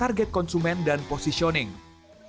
yang ketiga adalah mencari target yang efektif